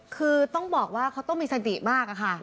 คือต้องบอกว่าเขาต้องมีใจติมาก